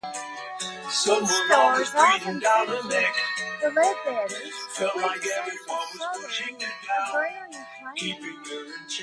His stories often featured the Ledbetters, a quintessential Southern, agrarian clan.